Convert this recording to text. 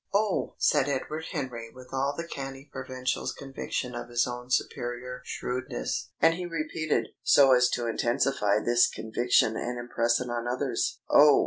"Oh!" said Edward Henry with all the canny provincial's conviction of his own superior shrewdness; and he repeated, so as to intensify this conviction and impress it on others, "Oh!"